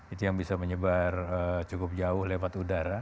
itu yang bisa menyebar cukup jauh lewat udara